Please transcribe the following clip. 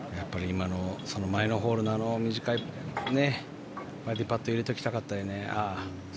前のホールの短いバーディーパットを入れておきたかったよね。